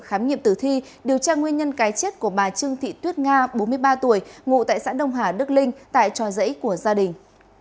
khám nghiệm tử thi điều tra nguyên nhân cái chết của bà trương thị tuyết nga bốn mươi ba tuổi ngụ tại xã đông hà đức linh tại trò dẫy của gia đình